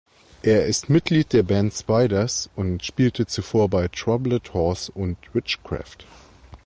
Er ist Mitglied der Band Spiders und spielte zuvor bei Troubled Horse und Witchcraft.